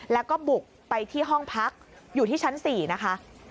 แล้วก็บุกไปที่ห้องพักอยู่ที่ชั้น๔นะคะ